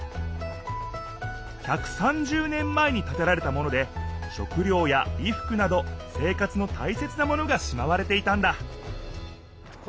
１３０年前に建てられたもので食りょうやいふくなど生活のたいせつなものがしまわれていたんだ